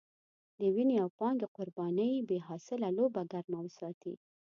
د وينې او پانګې قربانۍ بې حاصله لوبه ګرمه وساتي.